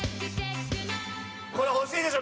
これ欲しいでしょ？